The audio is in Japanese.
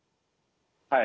はい。